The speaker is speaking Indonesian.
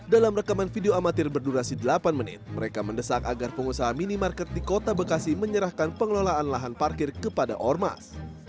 dalam rekaman video amatir berdurasi delapan menit mereka mendesak agar pengusaha minimarket di kota bekasi menyerahkan pengelolaan lahan parkir kepada ormas